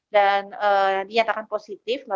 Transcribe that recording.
dan dinyatakan positif